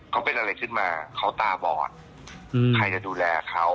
เขาเป็นอะไรขึ้นมาเขาตาบอดใครจะดูแลเขา